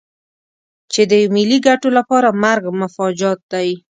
چې د ملي ګټو لپاره مرګ مفاجات دی.